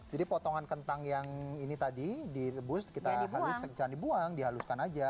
jadi potongan kentang yang ini tadi direbus kita haluskan jangan dibuang dihaluskan aja